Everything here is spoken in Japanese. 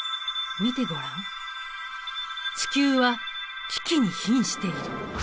見てごらん地球は危機にひんしている。